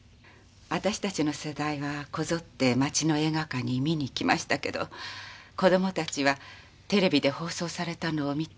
あたしたちの世代はこぞって町の映画館に見に行きましたけど子供たちはテレビで放送されたのを見て感動していたみたいです。